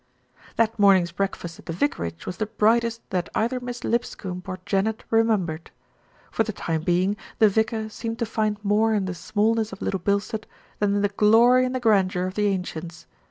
That morning's breakfast at the vicarage was the brightest that either Miss Lipscombe or Janet remem bered. For the time being, the vicar seemed to find more in the smallness of Little Bilstead than in the glory and the grandeur of the ancients.